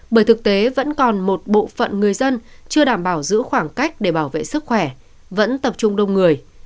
bởi thực tế vẫn còn một bộ phận người dân chưa đảm bảo giữ khoảng cách để bảo vệ sức khỏe vẫn tập trung đông người